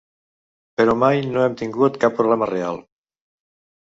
Però mai no hem tingut cap problema real.